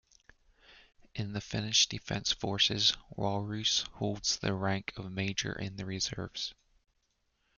In the Finnish Defence Forces, Wahlroos holds the rank of Major in the reserves.